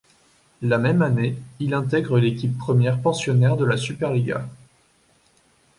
La même année, il intègre l'équipe première pensionnaire de la Superliga.